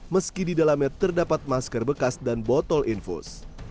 meski di dalamnya terdapat masker bekas dan botol infus